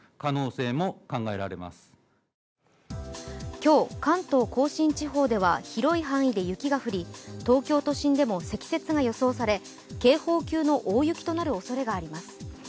今日、関東甲信地方では広い範囲で雪が降り、東京都心でも積雪が予想され警報級の大雪となるおそれがあります。